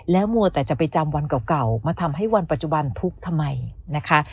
แล้วมัวแต่จะไปจำวันเก่ามาทำให้วันปัจจุบันทุกข์ทำไมนะคะ